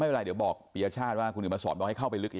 ไม่เป็นไรเดี๋ยวบอกปียชาติว่าคุณเห็นมาสอนบอกให้เข้าไปลึกอีก